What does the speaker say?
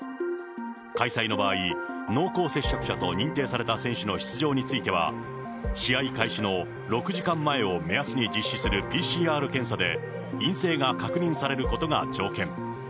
開催の場合、濃厚接触者と認定された選手の出場については、試合開始の６時間前を目安に実施するＰＣＲ検査で陰性が確認されることが条件。